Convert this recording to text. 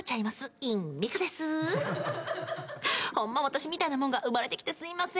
私みたいなもんが生まれてきてすいません。